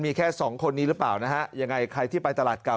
มีแค่สองคนนี้หรือเปล่านะฮะยังไงใครที่ไปตลาดเก่า